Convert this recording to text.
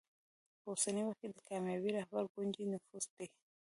په اوسني وخت کې د کامیابې رهبرۍ کونجي نفوذ دی.